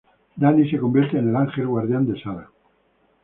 Danny se convierte en el ángel guardián de Sara.